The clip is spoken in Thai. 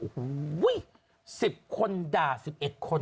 โอ้โหสิบคนด่าสิบเอ็ดคน